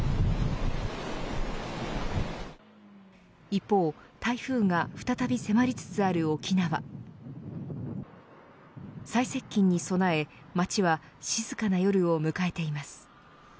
一方、台風が再び迫りつつある沖縄最接近に備え街は静かな夜を迎えています。